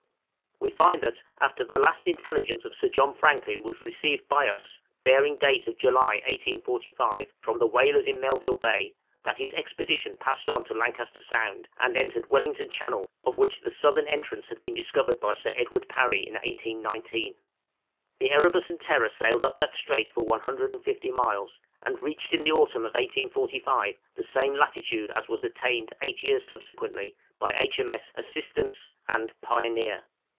We find that, after the last intelligence of Sir John Franklin was received by us (bearing date of July, 1845), from the whalers in Melville Bay, that his Expedition passed on to Lancaster Sound, and entered Wellington Channel, of which the southern entrance had been discovered by Sir Edward Parry in 1819. The 'Erebus' and 'Terror' sailed up that strait for one hundred and fifty miles, and reached in the autumn of 1845 the same latitude as was attained eight years subsequently by H.M.S. 'Assistance' and 'Pioneer.'